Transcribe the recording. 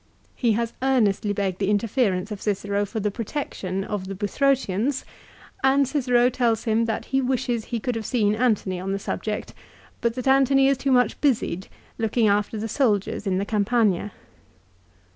He has earnestly begged the interference of Cicero for the protection of the Buthrotians, and Cicero tells him that he wishes he could have seen Antony on the subject ; but that Antony is too much busied, looking after the soldiers in the Campagna.